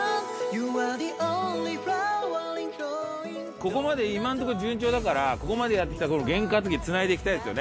ここまで今のとこ順調だからここまでやってきたゲン担ぎつないでいきたいですよね。